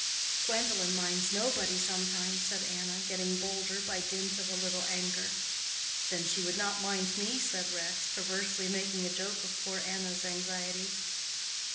"Gwendolen minds nobody sometimes," said Anna getting bolder by dint of a little anger. "Then she would not mind me," said Rex, perversely making a joke of poor Anna's anxiety.